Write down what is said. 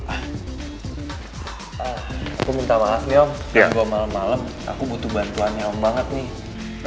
aku minta maaf nih om karena gue malem malem aku butuh bantuan yang om banget nih